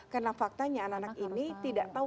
karena faktanya anak anak ini tidak tahu